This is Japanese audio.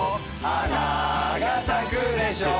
花が咲くでしょう